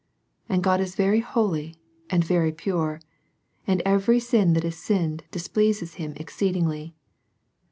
And God is very holy, and very pure; and every sin that is sinned displeases Him exceedingly.